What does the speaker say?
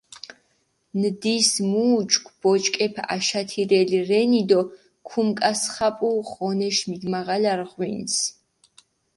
ნდის მუ უჩქუ ბოჭკეფი აშათირელი რენი დო ქუმკასხაპუ ღონეში მიდმაღალარი ღვინს.